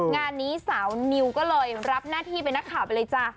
งานนี้สาวนิวก็เลยรับหน้าที่เป็นนักข่าวไปเลยจ้ะ